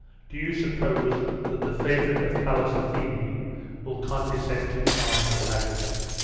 Do you suppose that the favourite of Pallas Athene will condescend to charms and magic?